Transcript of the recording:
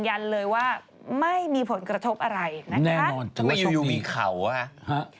ยันเลยว่าไม่มีผลกระทบอะไรนะคะแน่นอนไม่อยู่มีเขาหรอฮะ